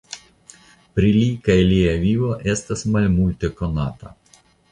Pri li kaj lia vivo estas malmulte konata.